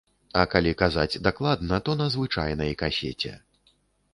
А калі казаць дакладна, то на звычайнай касеце.